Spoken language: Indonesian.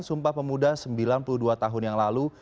sumpah pemuda sembilan puluh dua tahun yang lalu